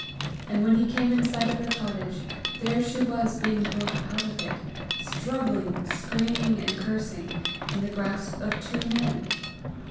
and when he came in sight of the cottage, there she was being brought out of it, struggling, screaming, and cursing, in the grasp of two men!